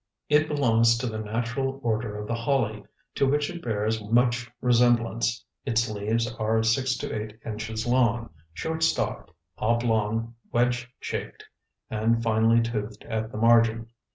It belongs to the natural order of the holly, to which it bears much resemblance. Its leaves are six to eight inches long, short stalked, oblong, wedge shaped, and finely toothed at the margin.